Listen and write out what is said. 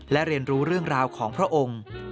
และเรียนรู้เรื่องราวของพระองค์